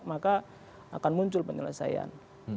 maka akan muncul penyelesaian